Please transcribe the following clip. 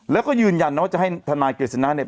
แล้วก็ยืนยันนะว่าจะให้ทนายกฤษณะเนี่ย